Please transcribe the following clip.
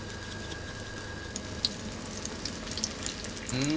うん。